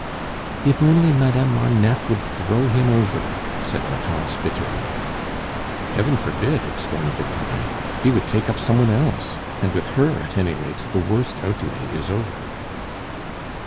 "If only Madame Marneffe would throw him over!" said Hortense bitterly. "Heaven forbid!" exclaimed Victorin. "He would take up some one else; and with her, at any rate, the worst outlay is over."